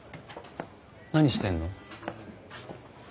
何してるの？